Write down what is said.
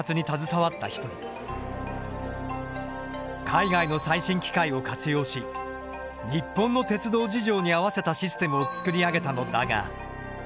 海外の最新機械を活用し日本の鉄道事情に合わせたシステムをつくり上げたのだがある問題が。